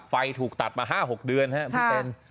ไฟถูกตัดมา๕๖เดือนนะครับ